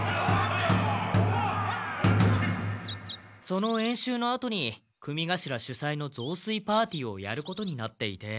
その演習のあとに組頭しゅさいの雑炊パーティーをやることになっていて。